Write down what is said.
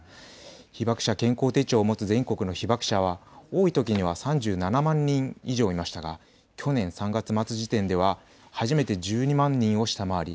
被爆者健康手帳を持つ全国の被爆者は多いときには３７万人以上いましたが去年３月末時点では初めて１２万人を下回り